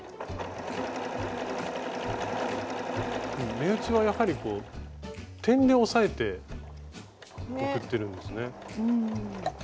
目打ちはやはり点で押さえて送ってるんですね。